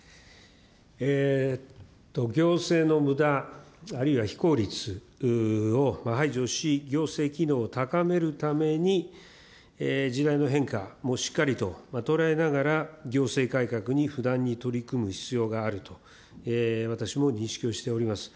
行政のむだ、あるいは非効率を排除し、行政機能を高めるために、時代の変化もしっかりと捉えながら、行政改革に不断に取り組む必要があると、私も認識をしております。